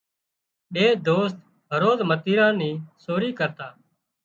ٻي دوست هروز متيران ني سوري ڪرتا